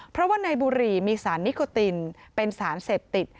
เพราะว่าในบุหรี่มีสารนิโคตินเป็นสารเสพติด